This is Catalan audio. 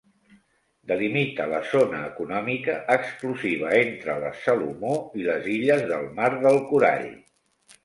Delimita la zona econòmica exclusiva entre les Salomó i les illes del Mar del Corall.